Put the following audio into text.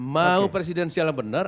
mau presidenial benar